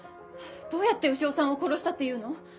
どうやって潮さんを殺したっていうの？